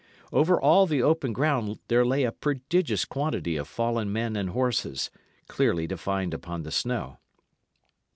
Over all the open ground there lay a prodigious quantity of fallen men and horses, clearly defined upon the snow.